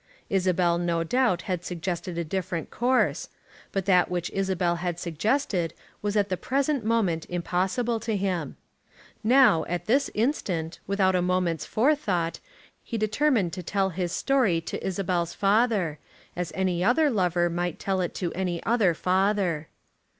Isabel no doubt had suggested a different course. But that which Isabel had suggested was at the present moment impossible to him. Now, at this instant, without a moment's forethought, he determined to tell his story to Isabel's father, as any other lover might tell it to any other father.